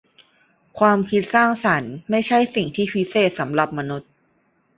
ความคิดสร้างสรรค์ไม่ใช่สิ่งที่พิเศษสำหรับมนุษย์